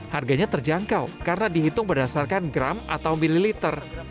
harganya terjangkau karena dihitung berdasarkan gram atau mililiter